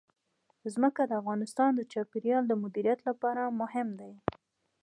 ځمکه د افغانستان د چاپیریال د مدیریت لپاره مهم دي.